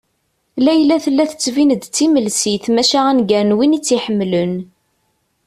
Layla tella tettbin-d timelsit maca a nnger n win i tt-iḥemmlen.